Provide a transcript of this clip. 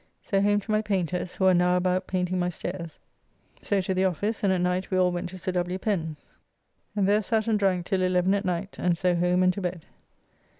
So home to my painters, who are now about painting my stairs. So to the office, and at night we all went to Sir W. Pen's, and there sat and drank till 11 at night, and so home and to bed.